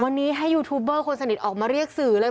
วันนี้ให้ยูทูบเบอร์คนสนิทออกมาเรียกสื่อเลย